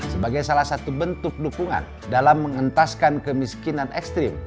sebagai salah satu bentuk dukungan dalam mengentaskan kemiskinan ekstrim